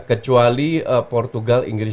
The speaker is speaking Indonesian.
kecuali portugal inggris